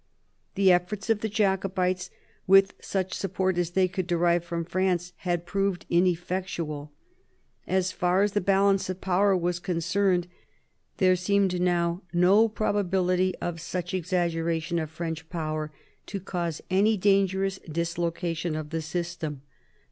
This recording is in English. The efforts of the Jacobites, with such support as they could derive from France, had proved ineffectual. As far as the balance of power was concerned, there seemed now no probability of such exaggeration of French power as to cause any dangerous dislocation of the system.